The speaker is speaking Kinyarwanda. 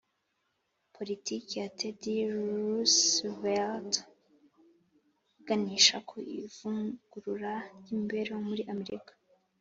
politiki ya teddy roosevelt iganisha ku ivugurura ry’imibereho muri amerika